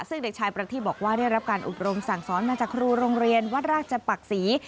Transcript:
ซึ่งเด็กชายประทีบบอกว่าได้รับการอบรมสั่งสอนมาจากครูโรงเรียนวัดราชปักศรี